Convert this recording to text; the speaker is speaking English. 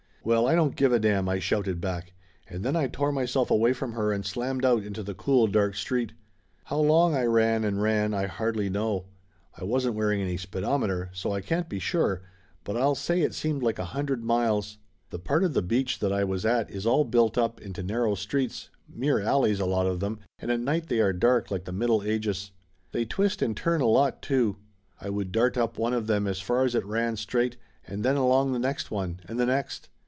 "Well, I don't give a damn !" I shouted back. And then I tore myself away from her and slammed out into the cool dark street. How long I ran and ran I hardly know. I wasn't wearing any speedometer, so I can't be sure, but I'll Laughter Limited 117 say it seemed like a hundred miles. The part of the beach that I was at is all built up into narrow streets, mere alleys, a lot of them, and at night they are dark like the Middle Ages. They twist and turn a lot too. I would dart up one of them as far as it ran straight, and then along the next one, and the next.